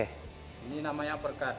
ini namanya uppercut